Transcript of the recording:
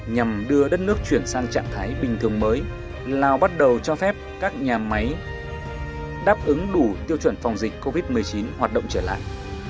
nhằm đưa đất nước chuyển sang trạng thái bình thường mới lào bắt đầu cho phép các nhà máy đáp ứng đủ tiêu chuẩn phòng dịch covid một mươi chín hoạt động trở lại